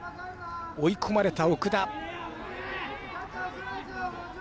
追い込まれた奥田。